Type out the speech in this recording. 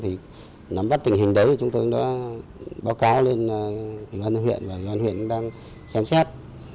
thì nắm bắt tình hình đấy thì chúng tôi đã báo cáo lên ngân huyện và ngân huyện đang xem xét